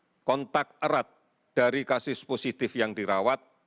ada kontak erat dari kasus positif yang dirawat